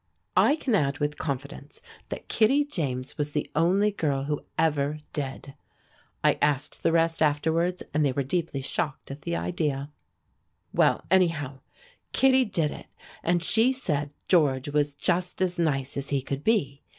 I can add with confidence that Kittie James was the only girl who ever did. I asked the rest afterwards, and they were deeply shocked at the idea. Well, anyhow, Kittie did it, and she said George was just as nice as he could be.